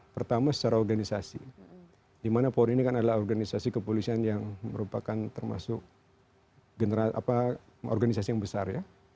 pertama secara organisasi di mana paul dries ini adalah organisasi kepolisian yang merupakan termasuk organisasi yang besar